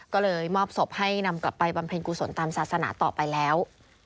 ก็เลยมอบศพให้นำกลับไปบำเพ็ญกุศลตามศาสนาต่อไปแล้ว